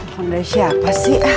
pempunyai siapa sih